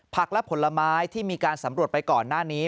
ผลและผลไม้ที่มีการสำรวจไปก่อนหน้านี้